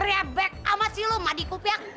rebek ama silu madikupyak